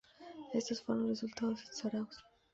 Estos fueron los resultados en Zarauz.